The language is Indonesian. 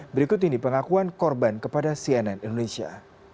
berikut ini pengakuan korban kepada cnn indonesia